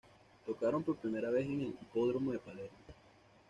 Tocaron por primera vez en el Hipódromo de Palermo.